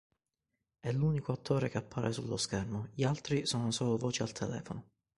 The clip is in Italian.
È l'unico attore che appare sullo schermo, gli altri sono solo voci al telefono.